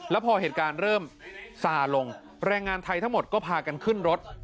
แล้วพอเหตุการณ์เริ่มซาลงแรงงานไทยทั้งหมดก็พากันขึ้นรถ